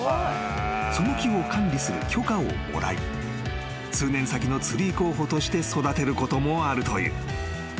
［その木を管理する許可をもらい数年先のツリー候補として育てることもあるという］